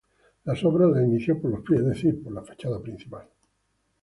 Las obras las inició por los pies, es decir, por la fachada principal.